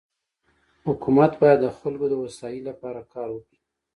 حکومت بايد د خلکو دهوسايي لپاره کار وکړي.